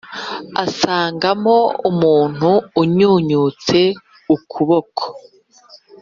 asangamo umuntu unyunyutse ukuboko